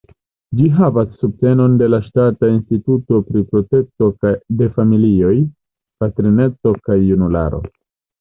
Ĝi havas subtenon de la Ŝtata Instituto pri Protekto de Familioj, Patrineco kaj Junularo.